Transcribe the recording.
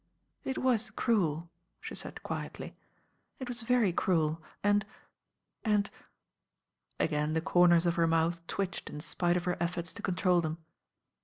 "It was cruel," she said quietly; "it was very cruel and — and ^" Again the corners of her mouth twitched m spite of her efforts to control them.